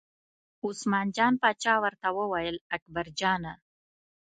عثمان جان پاچا ورته وویل اکبرجانه!